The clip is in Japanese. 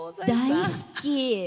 大好き！